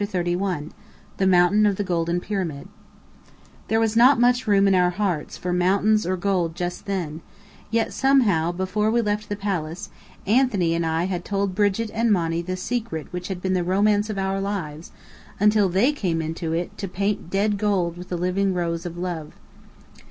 CHAPTER XXXI THE MOUNTAIN OF THE GOLDEN PYRAMID There was not much room in our hearts for mountains or gold just then: yet somehow, before we left the Palace, Anthony and I had told Brigit and Monny the secret which had been the romance of our lives, until they came into it to paint dead gold with the living rose of love.